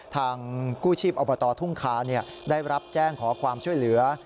ทางกู้ชีพอบตทุ่งคาได้รับแจ้งขอความช่วยเหลือ